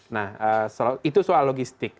nah itu soal logistik